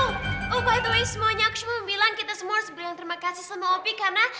oh oh by the way semuanya aku semua bilang kita semua harus beri terima kasih sama opi karena